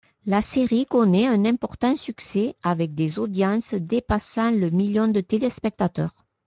La série connaît un important succès, avec des audiences dépassant le million de téléspectateurs.